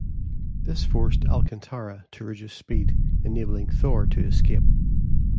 This forced "Alcantara" to reduce speed, enabling "Thor" to escape.